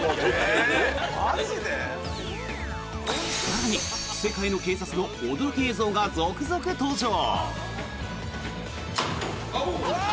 更に、世界の警察の驚き映像が続々登場。